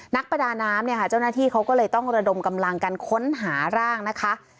นักประดาน้ำเนี่ยค่ะเจ้าหน้าที่เขาก็เลยต้องระดมกำลังกันค้นหาร่างนะคะ